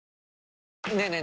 ねえねえ